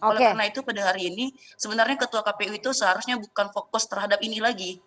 oleh karena itu pada hari ini sebenarnya ketua kpu itu seharusnya bukan fokus terhadap ini lagi